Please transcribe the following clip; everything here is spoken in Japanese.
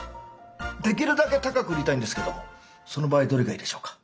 できるだけ高く売りたいんですけどその場合どれがいいでしょうか？